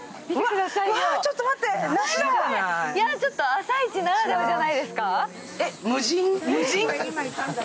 朝市ならではじゃないですか？